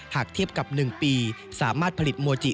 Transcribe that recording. เทียบกับ๑ปีสามารถผลิตโมจิ